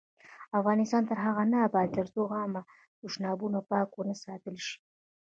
افغانستان تر هغو نه ابادیږي، ترڅو عامه تشنابونه پاک ونه ساتل شي.